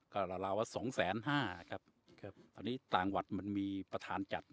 ก็ราวว่าสองแสนห้าครับครับตอนนี้ต่างวัดมันมีประธานจัด